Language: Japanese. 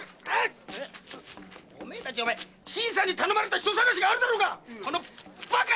俺たちは新さんに頼まれた人捜しがあるだろうがバカッ！